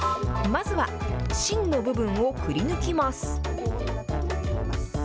まずは芯の部分をくりぬきます。